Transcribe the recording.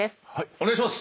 お願いします。